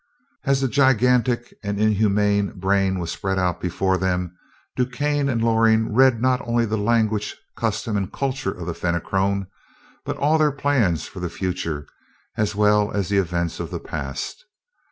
As the gigantic and inhuman brain was spread before them, DuQuesne and Loring read not only the language, customs, and culture of the Fenachrone, but all their plans for the future, as well as the events of the past.